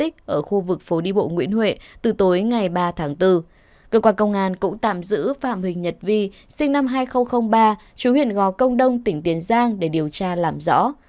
cơ quan công an cũng tạm giữ phạm huỳnh nhật vi sinh năm hai nghìn ba trú huyện gò công đông tỉnh tiến giang để điều tra làm rõ